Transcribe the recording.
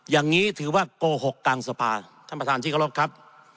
อย่างนี้ถือว่าโกหกกลางสภาท่านประธานที่เคารพครับ